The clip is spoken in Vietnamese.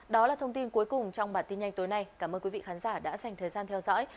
đó là thông tin cuối cùng trong bản tin nhanh tối nay cảm ơn quý vị khán giả đã dành thời gian theo dõi